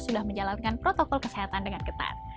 sudah menjalankan protokol kesehatan dengan ketat